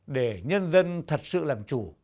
để nhân dân thật sự làm chủ